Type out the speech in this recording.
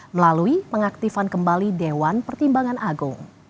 melalui pengaktifan kembali dewan pertimbangan agung